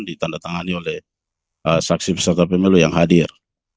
ditandatangani oleh saksi peserta pemilu yang hadir